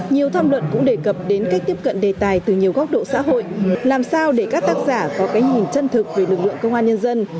nhiều tham luận cũng đề cập đến cách tiếp cận đề tài từ nhiều góc độ xã hội làm sao để các tác giả có cái nhìn chân thực về lực lượng công an nhân dân